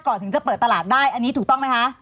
ถึงจะเปิดตลาดได้อันนี้ถูกต้องไหมคะ